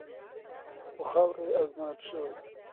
او په خاوره کې ازمویل شوې.